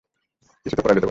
কিছু তো করা যেতে পারে।